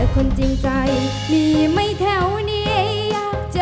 คือร้องได้ให้ร้อง